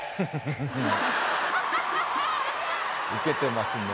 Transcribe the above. ウケてますね。